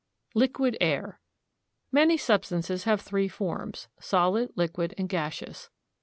LIQUID AIR. Many substances have three forms solid, liquid, and gaseous.